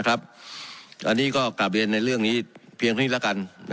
อันนี้ก็กลับเรียนในเรื่องนี้เพียงนี้แล้วกัน